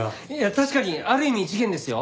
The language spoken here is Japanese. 確かにある意味事件ですよ。